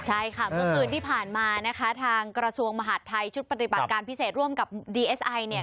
ใช่ค่ะเมื่อคืนที่ผ่านมานะคะทางกระทรวงมหาดไทยชุดปฏิบัติการพิเศษร่วมกับดีเอสไอเนี่ย